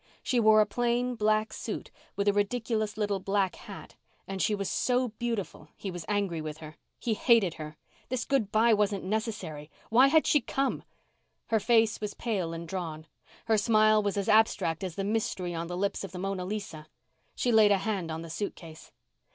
She wore a plain, black suit with a ridiculous little black hat and she was so beautiful he was angry with her. He hated her. This good bye wasn't necessary. Why had she come? Her face was pale and drawn; her smile was as abstract as the mystery on the lips of the Mona Lisa. She laid a hand on the suitcase.